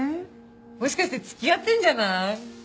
もしかして付き合ってるんじゃない？